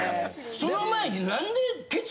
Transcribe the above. その前に。